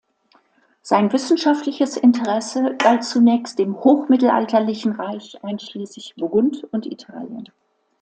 Sein wissenschaftliches Interesse galt zunächst dem hochmittelalterlichen Reich, einschließlich Burgund und Italien.